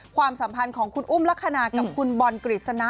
ความสัมพันธ์ของคุณอุ้มลักษณะกับคุณบอลกฤษณะ